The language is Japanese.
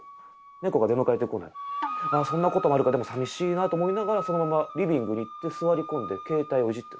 そんなこともあるかでも寂しいなと思いながらそのままリビングに行って座り込んでケータイをいじって。